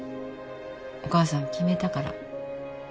お母さん決めたから。